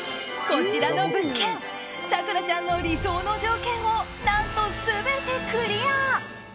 こちらの物件咲楽ちゃんの理想の条件を何と全てクリア。